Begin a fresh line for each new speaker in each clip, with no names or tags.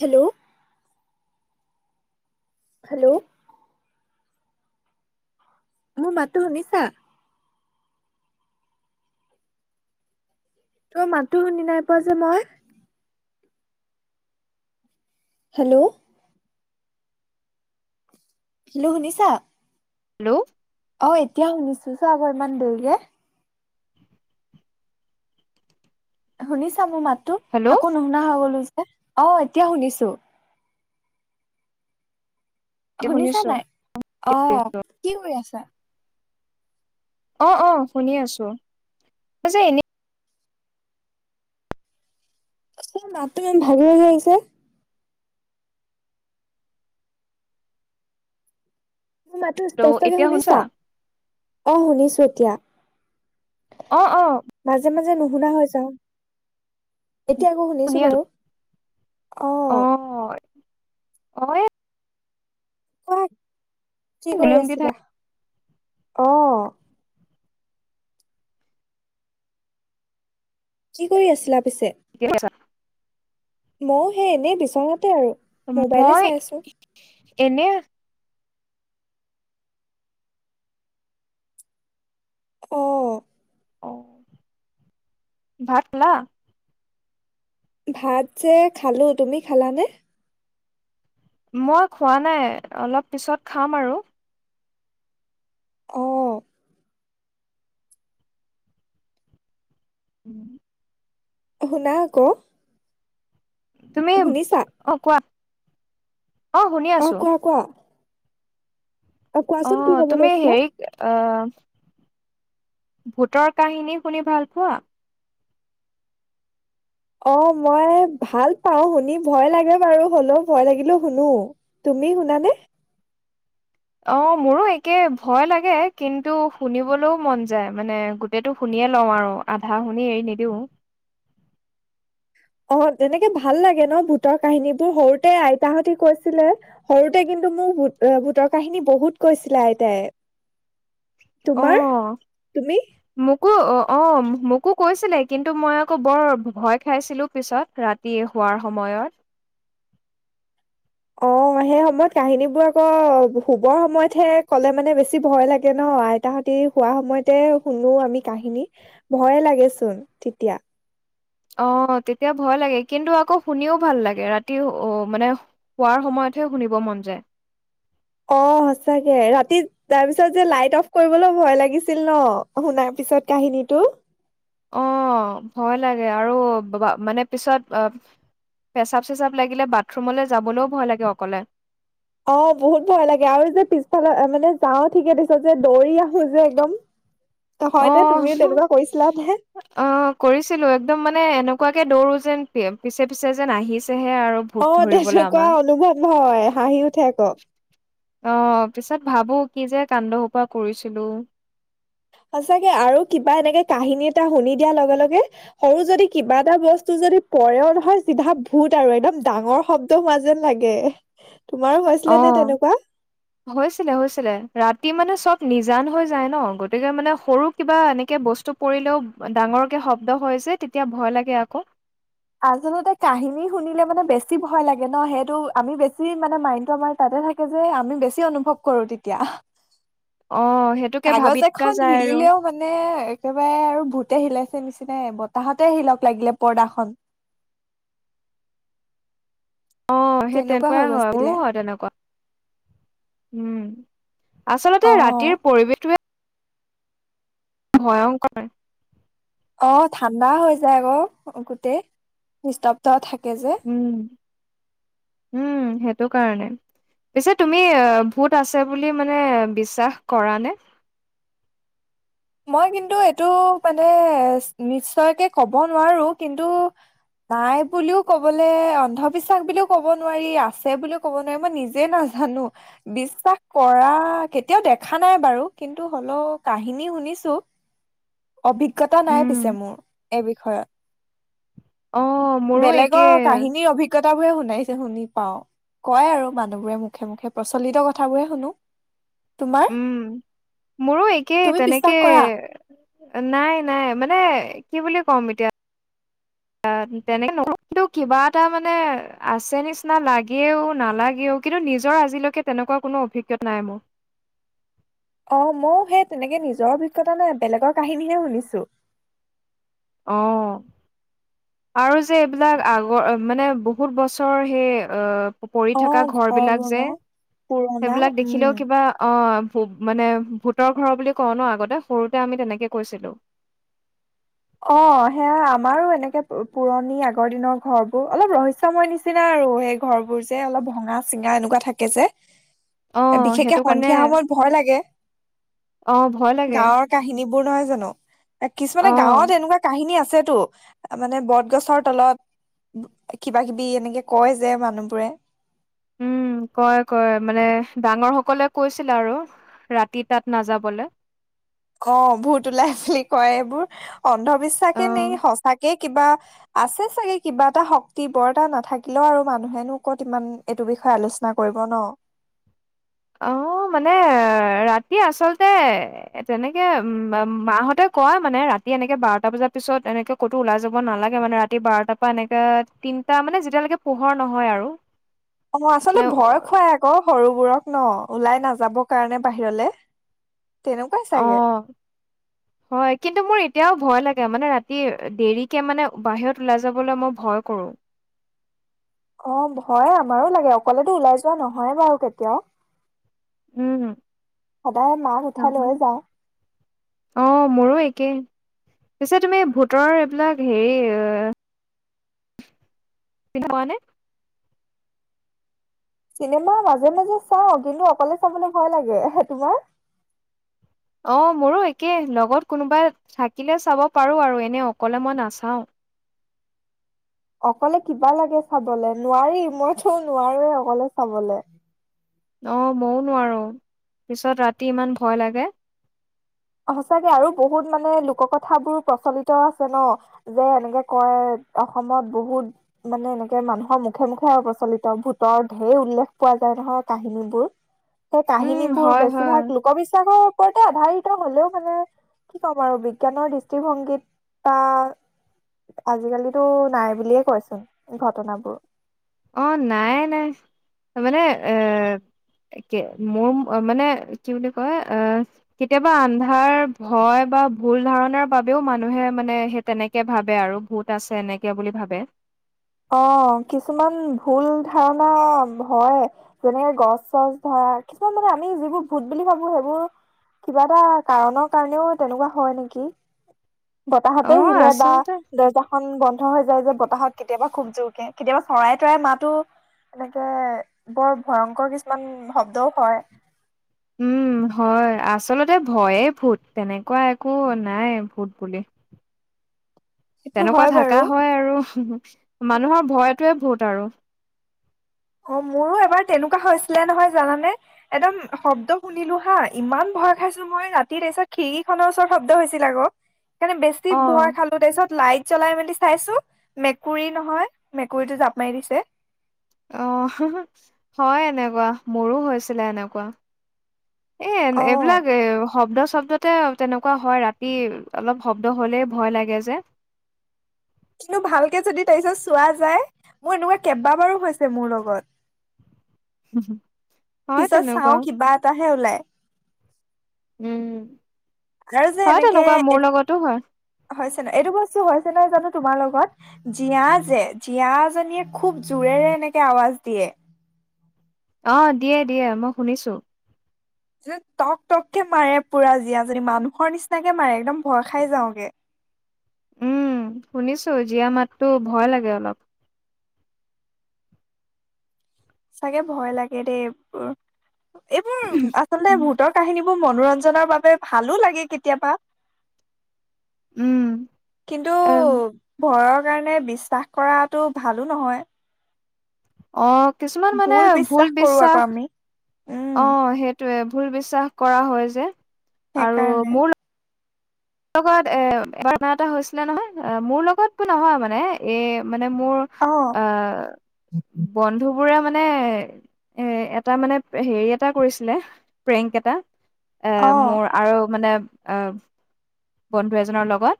Hello [inaudible] hello [inaudible] মোৰ মাতো শুনিছা তই মাতো শুনি [unintelligible] নাই পোৱা যে মই হেল্ল' [inaudible] হেল্লো শুনিছা
হেল্ল' [inaudible]
অ এতিয়া শুনিছো [unintelligible] আকৌ ইমান দেৰিকে শুনিছা মোৰ মাতো
হেল্ল'
আকৌ নুশুনা হৈ গলো যে অ এতিয়া শুনিছো
এতিয়া
শুনিছা
শুনিছো।
নাই অ
শুনিছো
কি কৰি আছা
অ অ শুনি আছো যে এনে
মাতটো ইমান ভাগি লাগি আহিছে [inaudible] মোৰ মাতো
হেল্ল'
স্পষ্টকে
এতিয়া
শুনিছা অ শুনিছো এতিয়া
অ অ [inaudible]
মাজে মাজে নুশুনা হৈ যাওঁ এতিয়া আকৌ
শুনি
শুনিছোঁ
আছো
বাৰু অঁ
অ অ [inaudible]
কোৱা কি কৰি আছিলা আহ কি কৰি আছিলা পিছে মইো সেই এনেই বিচনাতে আৰু মোবাইলে চাই আছো
এনেয়া [inaudible]
অ [inaudible]
অ ভাতলা [inaudible]
ভাত যে খালো তুমি খালানে
মই খোৱা নাই অলপ পিছত খাম আৰু
অ
উম [inaudible]
শুনা আকৌ
তুমি
শুনিছা
অ কোৱা শুনি
অ
আছো
কোৱা - কোৱা
অ
কোৱাচোন কি কব
তুমি
লৈছিলা
হেৰি অ [inaudible] ভূতৰ কাহিনী শুনি ভাল পোৱা।
অ মই ভাল পাও শুনি ভয় লাগে বাৰু হলেও ভয় লাগিলো শুনো। তুমি শুনানে।
অ' মোৰো একে ভয় লাগে। কিন্তু শুনিবলৈও মন যায় মানে গোটটো শুনি লওঁ আৰু আধা শুনি এৰি নিদিও।
[inaudible] অ তেনেকে ভাল লাগে ন। ভূতৰ কাহিনীবোৰ সৰুতে আইতাহতি কৈছিলে। সৰুতে কিন্তু কিন্তু মোৰুত ভুটৰ কাহিনী বহুত কৈছিলা আইতাই তোমাৰ তুমি
কো অ' অ' মোকো কৈছিলে কিন্তু মই আকৌ বৰ ভয় খাইছিলো পিছত ৰাতিয়ে কোৱাৰ সময়ত।
[inaudible] অ সেই সময়ত কাহিনীবোৰ আকৌ শুবৰ সময়তহে কলে মানে বেছি ভয় লাগে ন। অ আইতাহতি হোৱা সময়তে শুনো আমি কাহিনী ভয়ে লাগেচোন তেতিয়া।
অ 'তেতিয়া ভয় লাগে কিন্তু আকৌ শুনিও ভাল লাগে ৰাতি অ মানে শোৱাৰ সময়ত। শুনিব মন যায়।
অ' সচাকে ৰাতি তাৰ পিছত যে লাইট অফ কৰিবলৈ ভয় লাগিছিল ন। শুনাৰ পিছত কাহিনী সেটো।
অ ভয় লাগে। আৰু মানে পিছত আহ পেচাব চেচাব লাগিলে বাথৰুূমলৈ যাবলৈও ভয় লাগে অকলে।
অ বহুত ভয় লাগে আৰু যে পিছফালে মানে যাও ঠিকে দিছ যে দৌৰি আহো যে একদম। হয় নে
অ'
তুমিও তেনেকুৱা কৰিছিলা নে
আহ কৰিছিলো একদম মানে এনেক এনেকুৱাকে দৌৰো যেন পিছে পিছে যেন আহিছ।
অ তেনেকুৱা অনুভৱ হয় হাঁহি উঠে আক
অ' পিছত ভাবো কি যে কান্দসোপা কৰিছিলো।
সচাকে আৰু কিবা এনেকে কাহিনী এটা শুনি দিয়া লগে লগে সৰু যদি কিবা এটা বস্তু য যদি পৰেও নহয় চিধা ভূত আৰু একদম ডাঙৰ শব্দ হোৱা যেন লাগে। তোমাৰো হৈছিলে নে তেনেকুৱা?
অ' হৈছিলে হৈছিলে ৰাতি মানে চব নিজ জান হৈ যায় ন গতিকে মানে সৰু কিবা এনেকে বস্তু পৰিলেও ডাঙৰ কে শব্দ হয় যে। তেতিয়া ভয় লাগে আকৌ।
আচল কাহিনী শুনিলে মানে বেছি ভয় লাগ ন সেইটো আমি বেছি মানে মাৰ তাতে থাকে যে আমি বেছি অনুভৱ কৰো তেতিয়া।
অ', সেইটোকে ভাবি
কাগজ
থকা
এখন
যায় আৰু
হিলিলেও মানে শিলাইছে নিচিনা বতাহতে শিলক লাগিলে পৰ্দাখন।
অ' সেই
তেনেকুৱা হৈ
তেনেকুৱাই হয়
গৈছিলে।
মোৰো হয় তেনেকুৱা উম। আচলতে ৰাতিৰ
অ',
পৰিৱেশটোৱে ভয়ংকৰ।
অ ঠাণ্ডা হৈ যায় আকৌ গোটেই নিস্তব্ধ থাকে যে।
উম,
[inaudible]
উম, সেইটো কাৰণে। পিছে তুমি ভূত আছে বুলি মানে বিশ্বাস কৰা নে?
[inaudible] মই কিন্তু এইটো মানে নিশ্চয়কে কব নোৱাৰো। কিন্তু নাই বুলিও কবলৈ অন্ধবিশ্বাস বুলিও কব নোৱাৰি। আছে বুলিও ক'ব নোৱাৰি। মই নিজে নাজো জানো বিশ্বাস কৰা কেতিয়াও দেখা নাই বাৰু কিন্তু হলেও কাহিনী শুনি অভিজ্ঞতা নাই
উম
পিছে মোৰ এই বিষয়ত।
অ' মোৰো একে
বেলেগৰ কাহিনীৰ অভিজ্ঞতা বোৰে শুনাইছে শুনি পাও। কয় আৰু মানুহবোৰে মুখে মুখে প্ৰচলিত কথাবোৰে শুনো। তোমাৰ
উম, মোৰো একেই
তুমি বিশ্বাস
তেনেকে।
কৰা
নাই নাই মানে কি বুলি কম এতিয়া য়া অ তেনেকে নক কিন্তু কিবা এটা মানে আছে নিচিনা লাগেও নালাগেও। কিন্তু নিজৰ আজিলৈকে তেনেকুৱা কোনো অভিজ্ঞা নাই মোৰ।
[inaudible] অ ময়ো সেই তেনেকে নিজৰ অভিজ্ঞতা নে বেলেগৰ কাহিনীহে শুনিছো।
অহ। আৰু যে এইবিলাক আগৰ মানে বহুত বছৰ সেই অ পৰি
অ
থকা ঘৰ বিলাক যে
বনোৱা পুৰণা
সেইবিলাক
উম
দেখিলেও কিবা অ ভুত মানে ভূতৰ ঘৰৰ বুলি কওঁ ন আগতে সৰুতে আমি তেনেকে কৈছিলোঁ।
অ সেয়া আমাৰো এনেকে পুৰণি আগৰ দিনৰ ঘৰ বোৰ অলপ ৰহস্যয়ময় নিচিনা আৰু সেই ঘৰ বোৰ যে অলপ ভঙা চিঙা এনেকুৱা থাকে যে।
অ
বিশেষকে
সেইটো কাৰণে
সন্ধিয়া সময়ত ভয় লাগে
অ ভয় লাগে
গাঁৱৰ কাহিনী। বোৰ নহয় জানো
অ
কিছুমানে গাঁৱত এনেকুৱা কাহিনী আছ আছেতো মানে বটগছৰ তলত কিবা কিবি এনেকে কয় যে মানুহবোৰে।
উম কয় কয় মানে ডাঙৰ সকলে কৈছিলে আৰু। ৰাতি তাত নাযাবলৈ।
অ ভূত ওলাই বুলি কয় এইবোৰ
অ
অন্ধবিশ্বাসে নে সঁচাকে কিবা আছে চাগে কিবা এটা শক্তি বৰ এটা নাথাকিলেও আৰু মানুহেনো ক'ত ইমান এইটো বিষয় বিষয় আলোচনা কৰিব ন?
অ। অ মানে ৰাতি আচলতে তেনেকে উম উম মাহতে কয় মানে ৰা ৰাতি এনেকে বাৰটা বজাৰ পিছত এনেকে ক'তো ওলাই যাব নালাগে মানে ৰাতি বাৰটাৰ পৰা এনেকে তিনিটা মানে যেতিয়া এতিয়ালৈকে পোহৰ নহয় আৰু‌।
অ আচলতে ভয় খুৱাই আকৌ সৰুবোৰক। ন ওলাই নাযাব কাৰণে বাহিৰলে। তেনেকুৱাই
অ
চাগে
হয়। কিন্তু মোৰ এতিয়াও ভয় লাগে মানে ৰাতি দেৰিকে মানে বাহিৰত ওলাই যাবলৈ মই ভয় কৰো।
অ ভয় আমাৰো লাগে অকলেতো ওলাই যোৱা নহয় বাৰু কেতিয়াও।
উম,
সদায় মাক উঠাই
নহয়।
লৈয়ে যাওঁ।
অ মোৰো একে। পিছে তুমি ভোটৰৰ এইবিলাক হেৰি [unintelligible]
চিনেমা মাজে মাজে চাও কিন্তু অকলে চাবলৈ ভয় লাগে। তোমাৰ?
অ মোৰো একে লগত কোনোবাই থাকিলে চাব পাৰো আৰু এনে অকলে মই নাচাওঁ।
অকলে কিবা লাগে চাবলে নোৱাৰি মইতো নোৱাৰোৱে অকলে চাবলে।
অ ময়ও নোৱাৰো। পিছত ৰাতি ইমান ভয় লাগে।
সচাকে আৰু বহুত মানে লোক কথাবোৰ প্ৰচলিত আছে ন যে এনেকে কয় অসমত বহুত মানে এনেকে মানুহৰ মুখে মুখে প্ৰচলিত ভূতৰ ঢেৰ উল্লেখ পোৱা পাই নহয় কাহিনীবোৰ। সেই
উম,
কাহিনীবোৰ
হয়, হয়।
বেছিভাগ লোকবিবাসৰ ওপৰতে আধাৰ হ'লেও মানে কি ক'ম আৰু বিজ্ঞানৰ দৃষ্টিভংগীত বা আজিকালিটো নাই বুলিয়ে কয়চোন ঘটনাবোৰ।
অ নাই নাই। মানে আহ মোৰ মানে কি বুলি কয় অ কেতিয়াবা আন্ধাৰ ভয় বা ভুল ধাৰণাৰ বাবেও মানুহে মানে সেই তেনেকে ভাবে আৰু ভূত আছে এনেকে বুলি ভাবে।
অ কিছুমান ভুল ধাৰণা হয়। যেনেকে গছ চছ ধৰ কিছুমান মানে আমি যিবোৰ ভূত বুলি ভাবো সেইবোৰ কিবা এটা কাৰনৰৰ কাৰণেও তেনেকুৱা হয় নেকি? বতাহতে
অ
আহিলে বা
আচলতে
দৰ্জাখনন বন্ধ হৈ যায় যে বতাহত কেতিয়াবা খুব জোৰকে কেতিয়াবা চৰাই তৰাই মাতো এনেকে বৰ ভয়ংকৰ কিছুমান শব্দও হয়।
উম। হয় আচলতে ভয়ে ভূত তেনেকুৱা একো নাই ভূত বুলি।
[unintelligible] সেইটো
তেনেকুৱা
হয়
থাকা
বাৰু
হয় আৰু মানুহৰ ভয়টোৱে ভূত আৰু।
অ মোৰো এবাৰ তেনেকুৱা হৈছিলে নহয় জানানে, একদম শব্দ শুনিলো হা ইমান ভই খাইছো মই, ৰাতি তাৰ পিছত খিৰি খনৰ ওচৰ শব্দ হৈছিল আৰু সেইকাৰনে বেছি
অ
ভয় খালো তাৰপিছত লাইট জ্বলাই মেলি চাইছো মেকুৰী নহয়, মেকুৰীতটো জাপ মাৰি দিছে।
আহ হয় এনেকুৱা মোৰো হৈছিলে এনেকুৱা। এ
অ
এইবিলাক এ শব্দ শব্দতে তেনেকুৱা হয় ৰাতি অলপ শব্দ হলে ভয় লাগে যে।
কিন্তু ভালকে যদি তাৰপিছত চোৱা যায় মোৰ এনেকুৱা কেইবাবাৰো হৈছে মোৰ লগত।
হয়
পিছত
তেনেকুৱা
চাও কিবা এটাহে ওলাই।
উম
আৰু যে
হয়
এনেকে
তেনেকুৱা মোৰ লগতো হয়।
হৈছে এইটো বস্তু হৈছে নহয় জানো তোমাৰ লগত জিয়া যে জীয়াজীনিয়ে খুব জোৰেৰে কেনেকে আৱাজ দিয়ে।
অ দিয়ে দিয়ে মই শুনিছো।
টক টককে মাৰে পুৰা জীয়াজনী মানুহৰ নিচিনাকে মাৰে একদম ভয় খাই যাওগে [inaudible]
উম শুনিছো জীয়া মাততো ভয় লাগে অলপ
চাগে ভয় লাগে দেই এইোৰ এইবোৰ আচলতে ভতৰ কাহিনীবোৰ মনোৰঞ্জনৰ বাবে ভালো লাগে কেতিয়াবা
উম
কিন্তু
এ
ভয়ৰ কাৰণে বিশ্বাস কৰাটো ভালো নহয়
আহ কিছুমান মানে ভুল
কৰো আকৌ
বিশ্বাস
আমি উম
অ সেইটোৱে ভুল বিশ্বাস কৰা হয় যে আৰু
সেইকাৰণে
মোৰ লগত এ এবাৰ এটা হৈছিলে নহয় মোৰ লগত ব নহয় মানে এ মানে মোৰ অ বন্ধু বোৰে মানে এ এটা মানে হেৰি এটা কৰিছিলে প্ৰেংক এটা এ
অ
মোৰ আৰু মানে এ বন্ধু এজনৰ লগত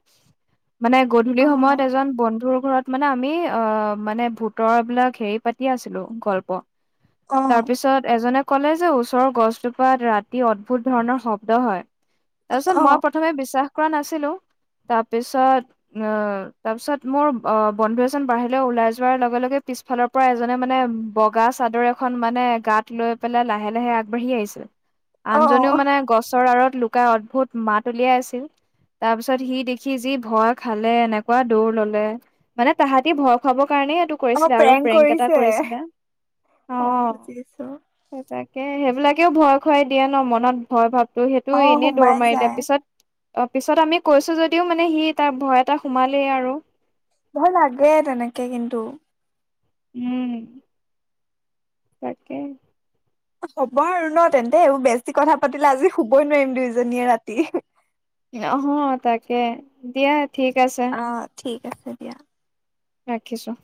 মানে গধূলি
অ
সময়ত এজন বন্ধুৰ ঘৰত মানে আমি অ মানে ভূত বিলাক হেৰি পাতি আছিলো গল্প
অ
তাৰ পিছত এজনে ক'লে যে ওচৰৰ গছজোপাত ৰাতি অদ্ভুত ধৰণৰ শব্দ হয় তাৰিছত মই প্ৰথমে বিশ্বাস কৰা নাছিলো তাৰপিছত অ তাৰপিছত মোৰ অ বন্ধু এজন বাহিৰে ওলাই যোৱাৰ লগে লগে পিছফালৰ পৰা এজনে মানে বগা চাদৰ এখন মানে গাত লৈ পেলাই লাহে লাহে আগবাঢ়ি আহিছিল
অ অ
আনজনেও মানে গছৰ আঁৰত লুকাই অদ্ভুত মাত উলিয়াই আছিল তাৰ পিছত সি দেখি যি ভয় খালে এনেকুৱা দৌৰ ললে মানে তাহাঁতি ভয় খুৱাব কাৰণেই এইটো
অ
কৰিছিলে আৰু
প্ৰেং
প্ৰেংক এটা
কৰিছে
কৰিছিলে অ তাকে সেইবিলাকেও ভয় খুৱাই দিয়ে ন মনত ভয় ভাৱ ত সেইটো
অ
এনেই দৌৰ
সোমাই
মাৰিলা
যায়
পিছত অ পিছত আমি কৈছো যদিও মানে সি তাৰ ভয় এটা সোমালেই আৰু
ভৰ লাগে তেনেকে কিন্তু
উম তাকে
হ'ব আৰু ন তেন্তে এইবোৰ বেছি কথা পাতিলে আজি শুবই নোৱাৰিম দুইজনীয়ে ৰাতি
অহ তাকে দিয়া ঠিক আছে
আহ ঠিক আছে দিয়া
ৰাখিছো